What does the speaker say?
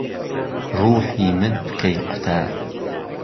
ڕووحی من پکەی قوتار